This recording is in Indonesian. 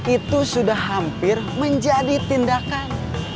itu sudah hampir menjadi tindakan